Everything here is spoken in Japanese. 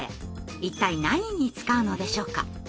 一体何に使うのでしょうか？